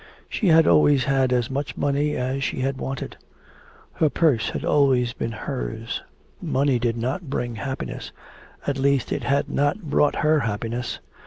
She had always had as much money as she had wanted. His purse had always been hers. Money did not bring happiness, at least it had not brought her happiness.